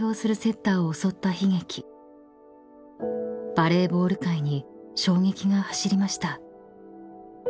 ［バレーボール界に衝撃が走りました］